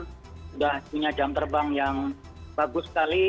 sudah punya jam terbang yang bagus sekali